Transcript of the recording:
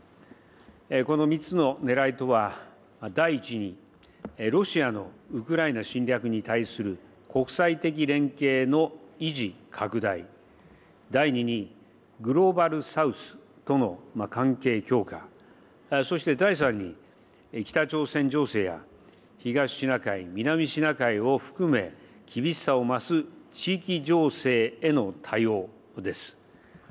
この３つのねらいとは、第１に、ロシアのウクライナ侵略に対する国際的連携の維持・拡大、第２に、グローバル・サウスとの関係強化、そして第３に、北朝鮮情勢や東シナ海、南シナ海を含め、厳しさを増す地域情勢への対応です。